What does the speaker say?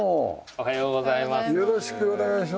おはようございまーす。